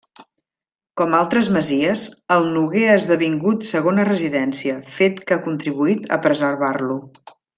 Com altres masies, el Noguer ha esdevingut segona residència, fet que ha contribuït a preservar-lo.